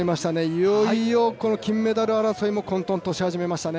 いよいよ金メダル争いも混とんとしはじめましたね。